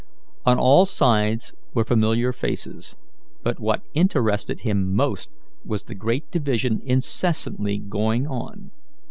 On all sides were familiar faces, but what interested him most was the great division incessantly going on.